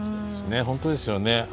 本当ですよね。